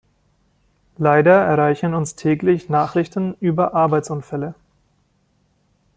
Leider erreichen uns täglich Nachrichten über Arbeitsunfälle.